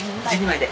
１２枚で。